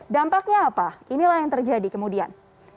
dampaknya apa inilah yang terjadi kemudian